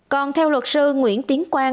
còn theo luật sư nguyễn tiến quang